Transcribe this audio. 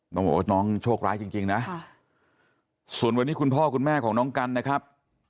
บอกว่าน้องโชคร้ายจริงนะส่วนวันนี้คุณพ่อคุณแม่ของน้องกันนะครับ